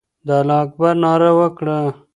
د الله اکبر ناره وکړه.